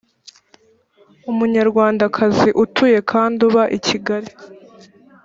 umunyarwandakazi utuye kandi uba i kigali